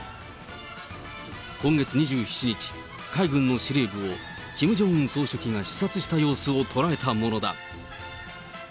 今月２７日、海軍の司令部をキム・ジョンウン総書記が視察した様子を捉えたものだ。